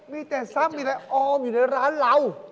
มีแต่ซ้ำมีแต่ออมอยู่ในร้านเรา